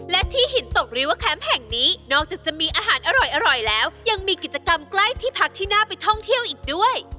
และที่หินตกริว่าแคมป์แห่งนี้นอกจากจะมีอาหารอร่อยแล้วยังมีกิจกรรมใกล้ที่พักที่น่าไปท่องเที่ยวอีกด้วย